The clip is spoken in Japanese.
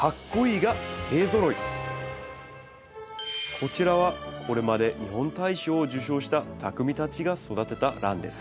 こちらはこれまで日本大賞を受賞した匠たちが育てたランです。